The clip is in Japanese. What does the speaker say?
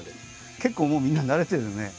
結構もうみんななでてるね。